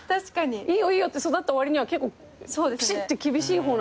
いいよいいよって育ったわりには結構ピシッて厳しい方なんだ。